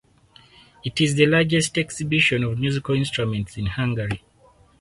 It is the largest exhibition of musical instruments in Hungary.